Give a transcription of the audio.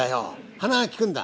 鼻が利くんだ。